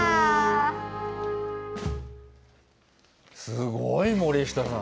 すごい、森下さん。